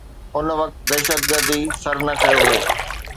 ان وقت دهشتگرديءَ سر نه کنيو هو.